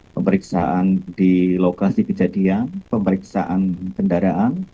pemeriksaan di lokasi kejadian pemeriksaan kendaraan